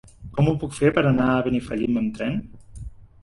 Com ho puc fer per anar a Benifallim amb tren?